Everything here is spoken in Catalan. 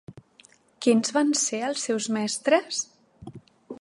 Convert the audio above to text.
Quins van ser els seus mestres?